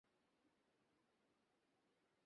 দ্বারের ছিদ্র দিয়া দেখিল লিখিতেছে।